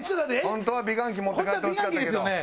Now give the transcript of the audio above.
本当は美顔器持って帰ってほしかったけど。